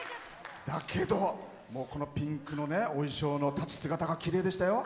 だけど、このピンクのお衣装の立ち姿がきれいでしたよ。